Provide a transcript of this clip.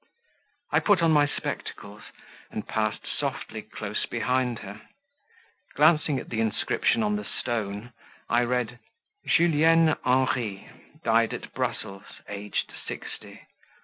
I put on my spectacles, and passed softly close behind her; glancing at the inscription on the stone, I read, "Julienne Henri, died at Brussels, aged sixty.